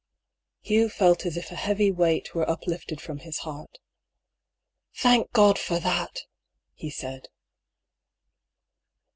Hugh felt as if a heavy weight were uplifted from his heart. " Thank God for tbat !" he said.